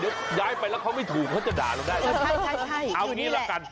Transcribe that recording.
เอาอย่างนี้แหละ